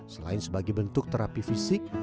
selain sebagai bentuk terapi fisik